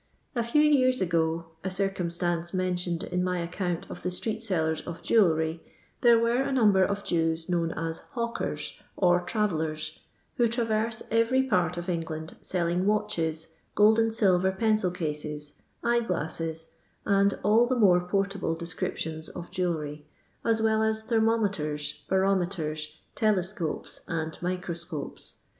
A few years ago— a drcnmstance mentioned in my account of the Street Sellers of Jewellery— there were a number of Jews known as "hawkers," or "travellers," who traverse every part of England selling watches, gold and silver pencil cases, eye glasses, and all the more portable descriptions of jewellery, as well as thermometers, barometers, telescopes^ and microscopes.